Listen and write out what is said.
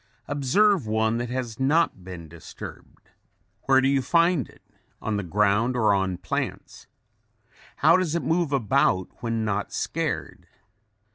Observe one that has not been disturbed. Where do you find it; on the ground or on plants? How does it move about when not scared?